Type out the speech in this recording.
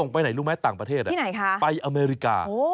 ไปอเมริกา